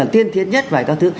tiên tiến nhất và các thứ